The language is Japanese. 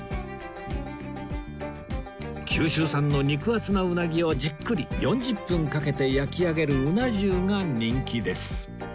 九州産の肉厚なうなぎをじっくり４０分かけて焼き上げるうな重が人気です